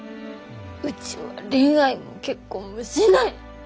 うちは恋愛も結婚もしない。